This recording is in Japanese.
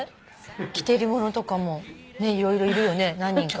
着てるものとかも色々いるよね何人か。